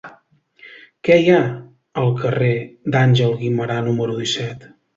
Què hi ha al carrer d'Àngel Guimerà número disset?